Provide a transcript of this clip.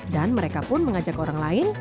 dan mereka pun mengajak orang lain